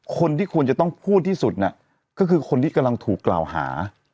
คนที่ควรจะต้องพูดที่สุดก็คือคนที่กำลังถูกกล่าวหา